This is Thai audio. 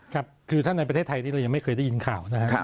ครับคือถ้าในประเทศไทยที่เรายังไม่เคยได้ยินข่าวนะครับ